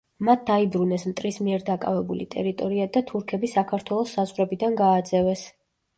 მათ დაიბრუნეს მტრის მიერ დაკავებული ტერიტორია და თურქები საქართველოს საზღვრებიდან გააძევეს.